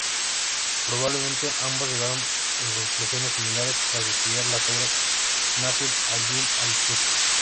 Probablemente ambos llegaron en conclusiones similares tras estudiar las obras Nasir al-Din al-Tusi.